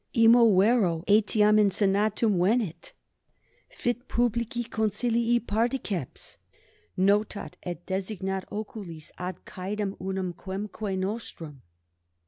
immo vero etiam in senatum venit, fit publici consilii particeps, notat et designat oculis ad caedem unum quemque nostrum.